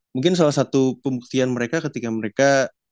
mungkin salah satu pembuktian mereka ketika mereka